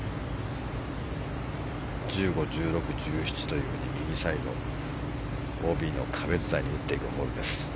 １５、１６、１７と右サイドＯＢの壁伝いに打っていくホールです。